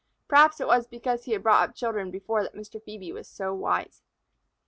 Perhaps it was because he had brought up children before that Mr. Phœbe was so wise.